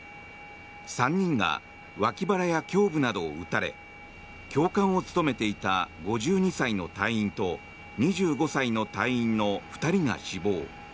３人が脇腹や胸部などを撃たれ教官を務めていた５２歳の隊員と２５歳の隊員の２人が死亡。